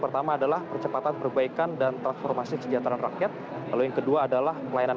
pertama adalah percepatan perbaikan dan transformasi kesejahteraan rakyat lalu yang kedua adalah pelayanan